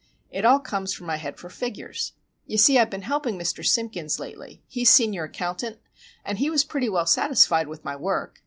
It all comes from my head for figures. You see, I've been helping Mr. Simpkins lately,—he's senior accountant,—and he was pretty well satisfied with my work.